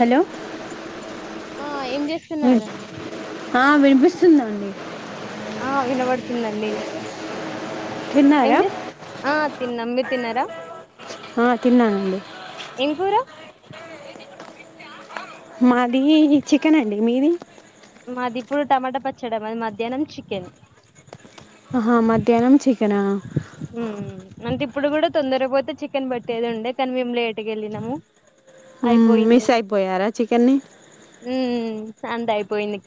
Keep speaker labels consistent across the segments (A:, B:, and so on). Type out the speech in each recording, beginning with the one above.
A: Hello
B: ఆ ఏం చేస్తున్నారు
A: స్తుందండి
B: ఆ వినబడుతుందండి ఏం
A: తిన్నారా
B: చేస్త హ తినం మీరు తినరా
A: ఆ తిన్నానండి
B: ఏం కూర
A: మాది చికెన్ అండి మీది
B: మాది ఇప్పుడు టమాటా పచ్చడి అది మధ్యాహ్నం చికెన్
A: హ మధ్యాహ్నం చికెనా
B: ఉ అంటే ఇప్పుడు కూడా తొందర పోతే చికెన్ బట్టేది ఉండే కానీ మేము లేట్గా వెళ్ళినాము అయిపోయింది
A: మిస్ అయిపోయారా చికెన్ని
B: ఐపోంది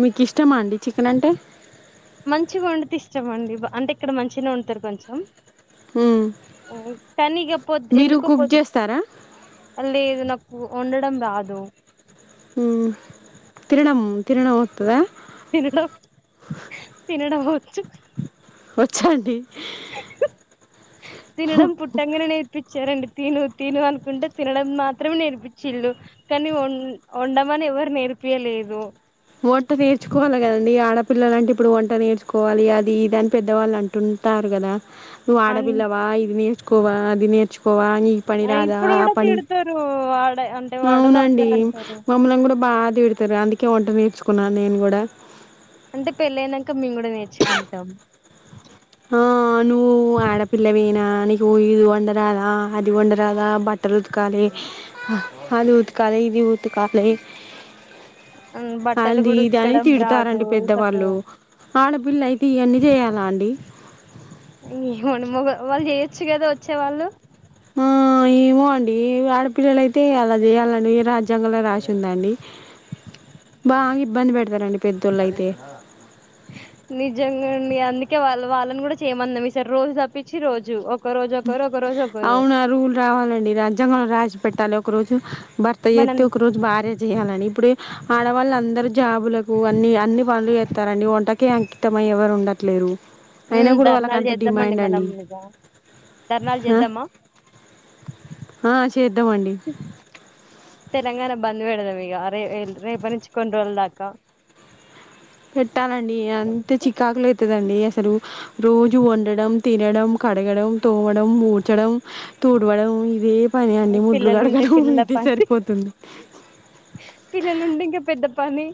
A: మీకు ఇష్టమా అండి చికెన్ అంటే.
B: మంచిగా వండితే ఇష్టామ అండి అంటే ఇక్కడ మంచిగా వడుతారు కొంచెం.
A: ఉమ్
B: కానీ ఇగ పొద్ ఎందుకో పొద్ లేదు నా కు ఓండడం రాదు.
A: ఉమ్ తినడం తినడం ఒతద
B: తినడం తినడం ఒచ్చు.
A: వోచ్చండి
B: తినడం పుట్టంగానే నేర్పించారండి. తిను తిను అనుకుంటే తినడం మాత్రమే నేర్పించిలు కానీ వం వండమని ఎవరు నేర్. పియలేదు
A: వంట నేర్చుకోవాలి కదండీ ఆడపిల్లల అంటే ఇప్పుడు వంట నేర్చుకోవాలి అది ఇదాని పెద్దవాళ్ళు అంటు. టారు కదా నువ్వు
B: అన్
A: ఆడపిల్లవ ఇది నేర్చకోవా అది నేర్చకో. న పని
B: ఆ ఇప్పుడు కూడా
A: రాదాని
B: తిడతారు వాడ అంటే వాడలో
A: అవునండి
B: అందరు అంటారు
A: మమ కూడా బా తిడతారు అందుకే వంట నేర్చుకున్నాను నేను కూడా
B: అంటే పెళ్ళయినంక మేము కూడా నేర్చుకుంటాం
A: ఆ నువ్వు ఆడపిల్లవేనా నీకు ఇది వండరాల అది వండరాల బట్టర్ ఉతకాలి అది ఉతకాలి ఇది ది ఉతకాలే
B: హ్మ్, బట్టలు
A: అది
B: కూడా
A: ఇదని
B: ఉతకడం రాదు
A: తిడతారండి పెద్దవాళ్ళు
B: చక్కగా
A: ఆడపిల్లయితే ఇవన్నీ చేయాలా అండి
B: ఎమో మను మగ వాళ్ళు చేయొచ్చు కదా వచ్చేవాళ్ళు
A: ఆ ఏమో అండి ఆడపిల్లలయితే అలా చేయాలండి ఏ రాజ్యాంగంలో రాసిందండి బాగా ఇబ్బంది పెడతారండి పెద్దోళ్ళు అయితే
B: నిజంగాండి అందుకే వాళ్ళ వాళ్ళని కూడా చేయమన్నా మీ సారీ రోజు తప్పించి రోజు ఒక రోజు ఒకరు ఒక రోజు ఒకరు
A: అవును ఆ రూల్ రావాలండి రాజ్యాంగం రాసి పెట్టాలి ఒక రోజు భర్త
B: మనం
A: చేతే ఒక రోజు భార్య చేయ్యాలని ఇప్పుడు ఆడవాళ్ళు అందరు జాబులకు అన్ని అన్ని పనులు చేస్తారండి వంటకి అంకితమయి ఎవరు ఉండట్లేరు అయినా
B: హ్మ్,
A: కూడా వాళ్ళకి
B: ధర్నాలు
A: అంత
B: చేద్దామండి
A: డిమాండ్
B: మనం
A: అండి
B: ఇగ ధర్నాలు చేద్దామా
A: ఆ ఆ చేద్దామండి
B: తెలంగాణ బంద్ పెడదాం ఇగ రేల్ రేపనించు కొన్ని రోజుల దాకా
A: పెట్టాలండి అంతే చికాకులు అయితదండి అసలు రోజు వండడం తినడం కడగడం తోమడం మూడ్చడం తుడవడం ఇవే పని అండి ముడ్లు
B: పిల్లలు ఉంటే
A: గడగడం ఇదే సరిపోతుంది
B: పిల్లలుండి ఇంకా పెద్ద పని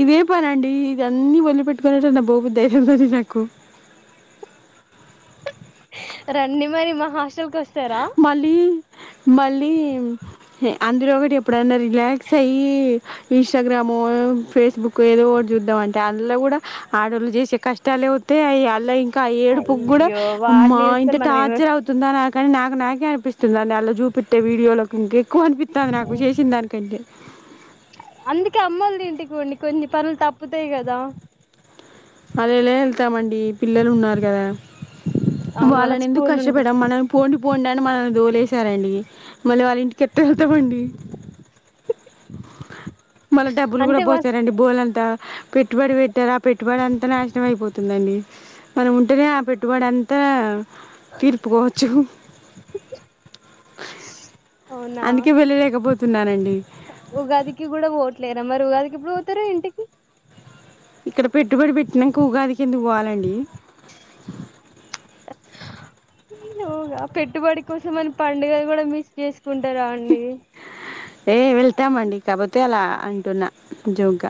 A: ఇదే పన అండి ఇది అన్ని వదిలి పెట్టుకోనీ ఎటైనా పో బుద్ధి అయితుందండి నాకు
B: రండి మరి మా హాస్టెల్కి వస్
A: మల్లి మళ్ళీ అందులో ఒకటి ఎప్పుడన్నా రిలాక్స్ అయ్యి ఇన్స్టాగ్రామ్ ఫేస్బుక్ ఏదో ఒకటి చూద్దాం అంటే అందులో కూడా ఆడోళ్లు చేసే కష్టాలే వత్తాయి అవి అలో ఏడుపు కూడా
B: అయ్యో
A: అమ్మ
B: వాడిని
A: ఇంత
B: చూసుకొని మనం ఏమో
A: టార్చర్ అవుతుందా అని కానీ నాకు నాకే అనిపిస్తుంది అని అలా చూపిట్టే వీడియోలోకి ఇంకా కు అనిపిత్తాంది నాకు చేసిందాని కంటే
B: కొన్ని కొన్ని పనులు తప్పుతాయి కదా
A: అలా ఎలా వెళ్తామండి పిల్లలు ఉన్నారు కదా
B: అవును వాళ్ళ
A: వాళ్ళని ఎందుకు
B: స్కూల్ ఉంటాయి
A: కష్టపడం మనం పోనీ పోండాని మనం దోలేసారండి మళ్ళీ వాళ్ళ ఇంటికి ఎట్ట వెళ్తామండి మళ్ళా డబ్బులు కూడా
B: అంటే వాళ్ళు
A: పోతారండి బోలంతా పెట్టుబడి పెట్టారు ఆ పెట్టుబడి అంతా నాశనం అయిపోతుందండి మనం ఉంటేనే ఆ పెట్టుబడి అంతా తీర్పుకోవచ్చు
B: అవునా
A: అందుకే వెళ్ళలేకపోతున్నానండి
B: లేదా మరి ఉగాదికి ఎప్పుడు పోతారు ఇంటికి
A: ఇక్కడ పెట్టుబడి పెట్టినాకా ఉగాదికి ఎందుకు పోవాలండి
B: గా పెట్టుబడి కోసం అని పండుగలు కూడా మిస్ చేసుకుంటారా అండి
A: ఏ వెళ్తామండి కాకపోతే అలా అంటున్నా జోగ్గా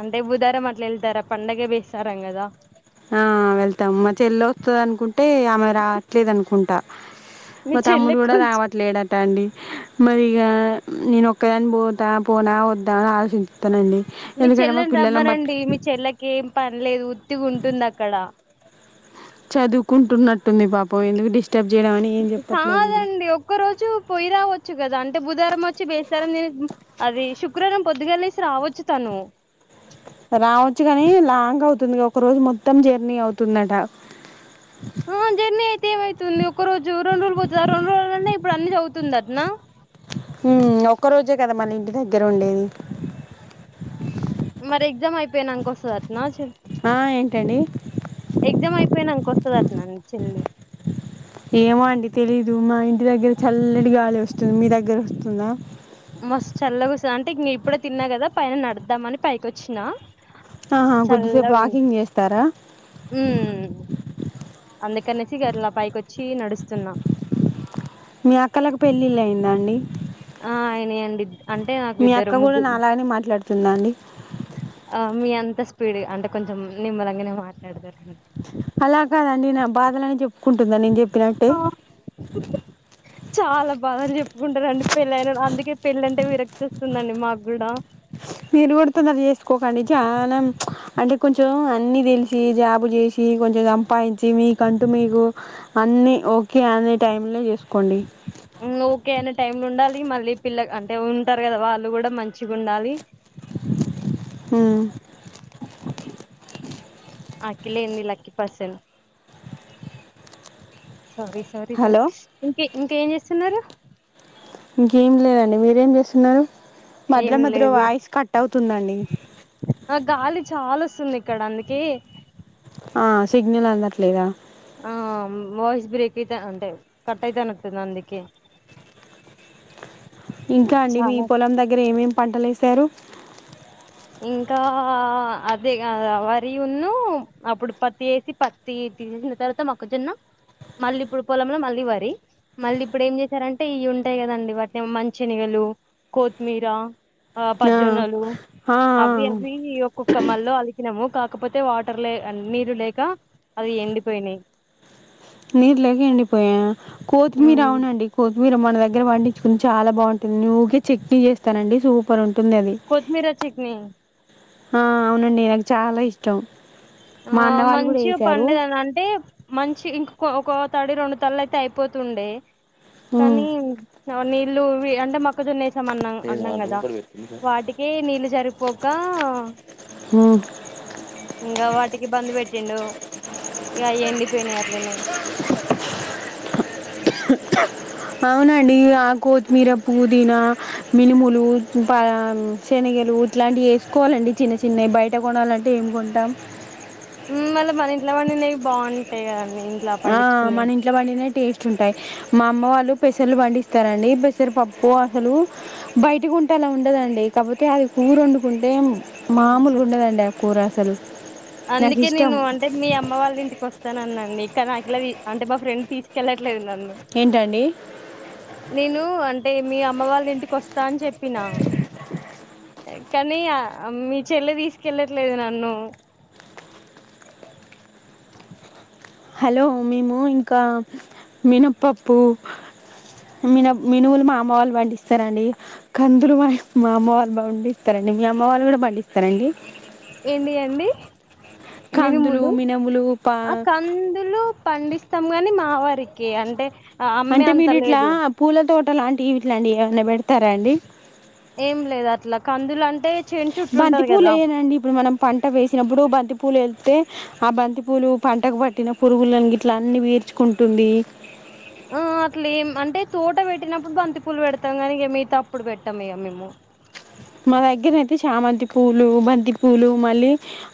B: అంటే బుధారం అట్లా వెళ్తారా పండగే బేస్తారం కదా
A: ఆ వెళ్తాం మా చెల్లి వత్తుందనుకుంటే ఆమె రావట్లేదు అనుకుంటా
B: మీ
A: మా
B: చెల్లె
A: తమ్ముడు కూడా
B: కొంచెం
A: రావట్లేడట అండి మరిగ నేను ఒక్కదాని పోతా పోనా వద్దా అని ఆలోచించుతానండి
B: మీ చెల్లిని రమ్మనండి మీ చెల్లకి ఏం పనిలేదు తి ఉంటుంది అక్కడ
A: చదువుకుంటున్నట్టుంది పాపం ఎందుకు డిస్ట్
B: కాదండి ఒక్క రోజు పొయ్యి రావచ్చు కదా అంటే బుధవారం వచ్చి బేస్తారం తినేసి అది శుక్రవారం పొద్దుగా లేసి రావచ్చు తను
A: రావచ్చు కానీ లాంగ్ అవుతుంది ఒక రోజు మొత్తం జర్నీ అవుతుందట
B: ఉమ్ జర్నీ అయితే ఏమయితుంది ఒక రోజు రెండు రోజులు పోతుంది రెండు రోజులు ఇప్పుడు అన్ని చదువుతుందటనా
A: ఉమ్ ఒక్క రోజే కదా మళ్ళ ఇంటి దగ్గర ఉండేది
B: మరి ఎగ్జామ్ అయిపోయినాంక వస్తుంది అటనా చె
A: ఆ ఏంటండి
B: టనా మీ చెల్లి
A: ఏమో అండి తెలీదు మా ఇంటి దగ్గర చల్లటి గాలి వస్తుంది మీ దగ్గర వస్తుందా
B: మస్తు చల్లకోస్తా అంటే ఇంగ ఇప్పుడే తిన్నా కదా పైన నడుద్దామని పైకి వచ్చిన
A: ఆహా కొద్దిసేపు
B: చల్లగుంది
A: వాకింగ్ చేస్తారా
B: ఉమ్ అందుకనేసి గట్ల పైకొచ్చి నడుస్తున్నా
A: మీ అక్కలకు పెళ్ళిళ్ళు అయిందా అండి
B: ఆ అయినయి అండి అంటే నాకు
A: మీ
B: ఇద్దరు
A: అక్క కూడా
B: ముగ్గురు
A: నాలాగనే మాట్లాడుతుందా అండి
B: ఆ మీ అంత స్పీడ్ అంటే కొంచెం నిమ్మలంగానే మాట్లాడతారు
A: అలా కాదండి నా బాధలని చెప్పుకుంటుందా నేను చెప్పినట్టే
B: ఆ చాలా బాధలు చెప్పుకుంటదండి పెళ్ళైన అందుకే పెళ్ళంటే విరక్తి వస్తుందండి మాకు కూడా
A: మీరు కూడా తొందరగా చేసుకోకండి చనం ప్చ్ అంటే కొంచెం అన్నీ తెలిసి జాబు చేసి కొం సంపాదించి మీకంటూ మీకు అన్ని ఓకే అనే టైం లో చేసుకోండి
B: ఓకే అనే టైమ్ ఉండాలి మళ్ళీ పిల్ల అంటే ఉంటారు కదా వాళ్ళు కూడా మంచిగా ఉండాలి
A: ఉమ్
B: ఆకిలేంది lucky person sorry sorry
A: hello
B: sorry ఇంక ఇంక ఏం చేస్తున్నారు
A: ఇంకేం లేదండి మీరేం చేస్తున్నారు
B: ఏం
A: మధ్యలో మధ్యలో
B: లేదు
A: వాయిస్ కట్ అవుతుందండి
B: ఆ గాలి చాలా వస్తుంది ఇక్కడ అందుకే
A: ఆ సిగ్నల్ అందట్లేదా
B: ఆ వాయిస్ బ్రేక్ అయితే అంటే కట్ అయితన్నటుంది అందుకే
A: ఇంకా అండి మీ
B: చాలా
A: పొలం దగ్గర ఏమేమి పంటలు వేశారు
B: ఇంకా అదే వరి ఉన్న అప్పుడు పత్తి వేసి పత్తి వేసిన తర్వాత మొక్కజొన్న మళ్ళీ ఇప్పుడు పొలంలో మళ్ళీ వరి మళ్ళీ ఇప్పుడు ఏం చేశారంటే ఇవి ఉంటాయి కదండి వాటిని మంచిని వె ళ్ళు కొత్తిమీర ఆ పజ్జనోలు అవి
A: ఆ
B: అవి ఒక్కొక్క మళ్ళ కలిపినం కాకపోతే నీరు లేక అది ఎండిపోయినాయి
A: నీరు లేకే ఎండిపోయాయ కోత్తిమీరా అవునండి కోతి మీరు మన దగ్గర పండించుకుని చాలా బాగుంటుంది ఊకే చట్నీ చేస్తానండి సూపర్ ఉంటుంది అది
B: కోత్తి మీరా చక్నీ
A: ఆ అవునండి నాకు చాలా ఇష్టం
B: ఆ
A: మా అన్న వాళ్ళు కూడా
B: మంచిగా
A: వేసారు
B: పండినవి అంటే మంచి ఇంక ఒక తడి రెండు తల్ల అయితే అయిపోతుండే
A: హ్మ్,
B: కానీ నీళ్లు ఇవి అంట మక్కజొన్న ఏస్ మన్నా అన్నాం కదా వాటికే నీళ్ళు జరిపోక
A: హ్మ్.
B: ఇంకా వాటికి బంద్ పెట్టిండు ఇక ఎండిపోయినాయి అట్లనే
A: అవునండి ఆ కొత్తిమీర పుదీనా మినుములు శనిగలు ఇగా ఇట్లాంటివి వేసుకోవాలండి చిన్న చిన్నవి బయట కొనాలంటే ఏం కొంటాం
B: మ్ మళ్ళ మన ఇంట్ల పండినవి బాగుంటాయి కదండి ఇంట్లో
A: ఆ మన
B: పండించుకునేవి
A: ఇంట్ల పండినయి టేస్ట్ ఉంటాయి మా అమ్మ వాళ్ళు పెసర్లు పండిస్తారండి పెసర్ పప్పు అసలు బయట కుంటే అలా ఉండదండి కాకపోతే అది కూర వండుకుంటే మామూలుగా ఉండదండి ఆ కూర అసలు నాకు
B: అందుకే
A: ఇష్టం
B: నేను అంటే మీ అమ్మ వాళ్ళ ఇంటికి వస్తానన్నండి ఇలా అంటే మా ఫ్రెండ్ తీసుకెళ్ళట్లే
A: ఏంటండి
B: నేను అంటే మీ అమ్మ వాళ్ళ ఇంటికి వస్తా అని చెప్పిన కానీ మీ చెల్లి తీసుకెళ్ళట్లేదు నన్ను
A: హలో మేము ఇంకా మినప్పప్పు మినుములు మా అమ్మా వాళ్ళు పండిస్తారంండి కందులు మా అమ్మ వాళ్ళు పండిస్తారండి అ మీ అమ్మ వాళ్ళు కూడా పండిస్తారండి
B: ఏంటి అండి
A: కందులు
B: మినుములు
A: మినుములు పా
B: ఆ కందులు పండిస్తాము గాని మా ఆ వరికి అంటే ఆ అమ్మే
A: అంటే
B: అంత
A: మీరు ఇట్లా
B: లేదు
A: పూల తోట లాంటివి ఇట్లాంటిడి ఏమన్నా పెడతారా అండి
B: ఏం లేదు అట్లా కందులు అంటే చేను చుట్టూ
A: బంతి
B: ఉంటది
A: పూలు
B: కదా
A: వేయనండి ఇప్పుడు మనం పంట వేసినప్పుడు బంతి పూలు వెళ్ తే ఆ బంతి పూలు పంటకు పట్టిన పురుగులను ఇట్లా అన్ని పీర్చుకుంటుంది
B: మ్మ్ ఆ అట్లే ఏం అంటే తోట పెట్టినప్పుడు బంతి పూలు పెడతాం కానీ ఇగా మిగతా అప్పుడు పెట్టమ్ ఇగా మేము
A: మా దగ్గరయితే చామంతి పూలు, బంతి పూలు మళ్ళీ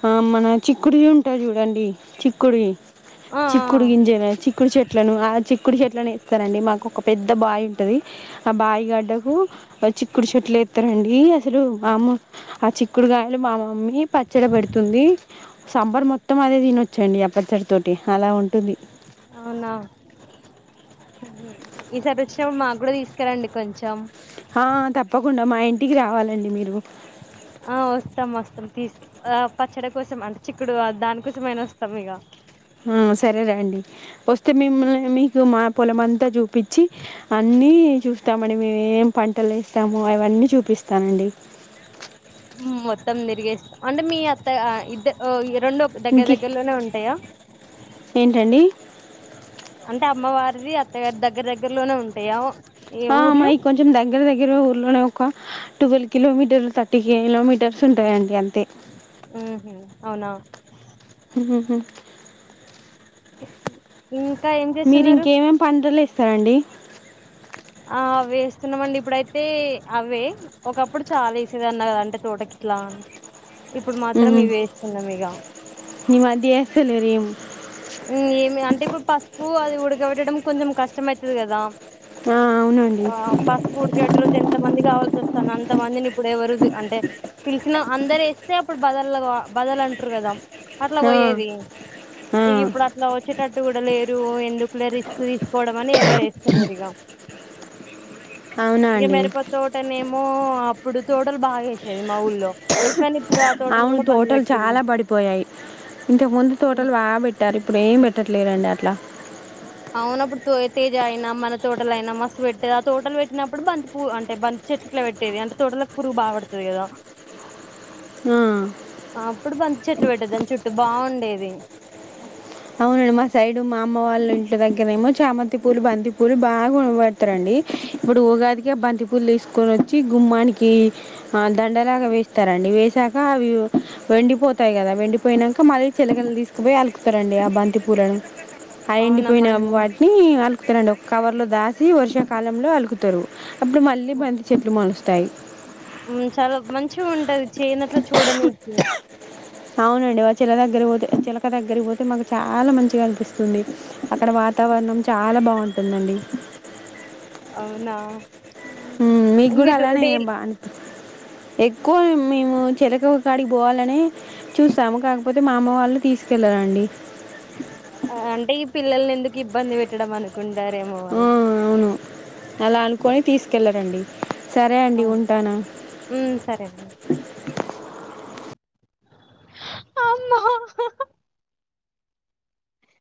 A: ఆ మన చిక్కుడు ఉంటుంది చూడండి చిక్కుడివి
B: ఆ ఆ
A: చిక్కుడు గింజ చిక్కుడు చెట్లను ఆ చిక్ చిక్కుడు చెట్లనే వేస్తరండి మాకు ఒక పెద్ద బావి ఉంటది ఆ బాయి గడ్డకు చిక్కుడు చెట్లు ఎత్తరాండి అసలు మా ఆ చిక్కుడుగాయలు మా మమ్మీ పచ్చడి పెడుతుంది సమ్మర్ మొత్తం అదే తీనోచ్చండి ఆ పచ్చడి తోటి అలా ఉంటుంది
B: అవునా ఈసారి వచ్చినప్పుడు మాకు కూడా తీసుకరండి కొంచెం
A: ఆ తప్పకుండా మా ఇంటికి రావాలండి మీరు
B: ఆ వస్తాం వస్తాం తీసి ఆ పచ్చడి కోసం అంటే చిక్కుడు దానికోసంమయినా వస్తాం ఇగ
A: ఆ సరే రండి వస్తే మిమ్మల్ని మీకు మా పొలము అంతా చూపించి అన్న అన్ని చూస్తామండి మేము ఏమి పంటలు ఏస్తాము అవన్నీ చూపిస్తానండి
B: మొత్తం తిరిగేస్తాం అంటే మీ అత్త ఇద్ద రెండు దగ్గర
A: ఇంకే
B: దగ్గరలోనే ఉంటాయా
A: ఏంటండి
B: అంటే అమ్మవారిది అత్తగారిది దగ్గర దగ్గరలోనే ఉంటాయా ఏ
A: ఆ
B: ఊర్లు?
A: అమ్మాయి కొంచెం దగ్గర దగ్గర ఊర్లోనే ఒక ట్వెల్వ్ కిలోమీటర్లు తర్టీ కిలోమీటర్స్ ఉంటాయండి అంత
B: ఉ హ అవునా
A: ఉహుహు.
B: ఇ
A: మీరు ఇంకేమేమి పంటలు ఎస్తారండి
B: ఆ అవే వేస్తున్నామండి ఇప్పుడైతే అవే ఒకప్పుడు చాలా వేసేది అన్న కదంటే తోట ట్లా ఇప్పుడు మాత్రం ఇవి వేస్తున్నాం ఇక
A: నీ మరిది చేస్తలేరేమో
B: హఊ అది ఉడక బేట్టడం కొంచెం కష్టమయవుతుంది కదా
A: ఆ, అవునండి
B: ఆ ఫస్ ఫుడ్కడ్రోజు ఎంత మంది కావాల స్తాను అంత మందిని ఇప్పుడు ఎవరు అంటే పిలిచినా అందరు ఇస్తే అప్పుడు బలు బదులు అంటారు ద అట్లా
A: ఆ,
B: పోయేది
A: ఆ,
B: ఇ ఇప్పుడు అట్లా వచ్చేటట్టు కూడా లేరు ఎందుకు లేరు రిస్క్ తీసుకోవడం అని ఎవరు వేస్తలేరు ఇక
A: అవునా
B: ఇక
A: అండి
B: మిరప తోటనే మో అప్పుడు తోటలు బాగా వసేది మా ఊళ్ళో కానీ ఇప్పుడు ఆ తోటలు
A: ఆవును
B: కూడా బంద్
A: తోటలు
B: పెట్టిళ్ళు
A: చాలా పడిపోయాయి ఇంతకు ముందు తోటలు బాబెట్టి పెట్టారు ఇప్పుడు ఏం పెట్టట్లేరండి అట్లా
B: అవునప్పుడు తో తేజ అయినా మన తోటలు అయినా మస్తు పెట్టేది ఆ తోటలు పెట్టినప్పుడు బంతి పూ అంటే బంతి చెట్ట్లా పెట్టేది అంటే తోటలకు పురుగు బా పడుతుంది కదా
A: ఆ
B: అప్పుడు బంతి చెట్లు పెట్టేద్దాని చుట్టూ బాగుండేది
A: అవును మా సైడ్ ఉ మా అమ్మ వాళ్ళ ఇంటి దగ్గర ఏమో చామంతి పూలు బంతి పూలు బాగాబడతారండి ఇప్పుడు ఉగాదికి బంతిపూలు తీసుకొని వచ్చి గుమ్మానికి దండలాగా వేస్తారండి వేసాక అవి వెండిపోతాయి కదా వెండిపోయానాక మళ్ళీ చెల్లకలు తీకుపోయి అలుకుతారండి ఆ బంత పటి పూలను ఆ
B: అవునా
A: ఎండిపోయిన వాటిని రండి ఒక కవర్ లో దాసి వర్షాకాలంలో అలుగుతారు అప్పుడు మళ్ళీ బంతి చెట్లు మలుస్తారు మొలుస్తాయి
B: చాలా మంచి ఉంటది చేయనట్లు చూడడానికి
A: అవునండి వా చిల దగ్గరి పోతే చిలక దగ్గరి పోతే మాకు చాలా మంచిగా అనిపిస్తుంది అక్కడ వాతావరణం చాలా బాగుంటుందండి
B: అవునా
A: మీకు కూడా
B: మీరు
A: అలానే్యం
B: డైలీ
A: బా అని ఎక్కువ మేము చెలక కాడికి పోవాలని చూస్తాము కాకపోతే మా అమ్మ వాళ్ళు తీసుకెళ్లరు ాండి
B: అంటే ఈ పిల్లల్ని ఎందుకు ఇబ్బంది పెట్టడం అనుకుంటారేమో
A: ఆ
B: వాళ్ళు
A: అవును అలా అనుకొని తీసుకెళ్లరండి సరే అండి
B: అవును
A: ఉంటాను
B: మ్మ్ సరే ఆమ